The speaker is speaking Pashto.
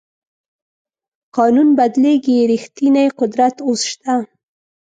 قانونونه بدلېږي ریښتینی قدرت اوس شته.